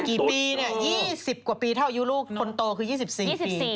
กี่ปีเนี่ย๒๐กว่าปีเท่าอายุลูกคนโตคือ๒๔ปี